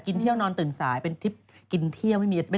กินเที่ยวนอนตื่นสายเป็นทริปกินเที่ยวไม่ได้ทำอะไรมาก